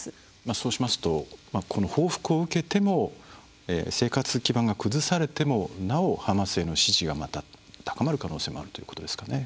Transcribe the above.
そうしますとこの報復を受けても生活基盤が崩されてもなおハマスへの支持がまた高まる可能性もあるということですかね。